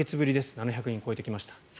７００人を超えてきました。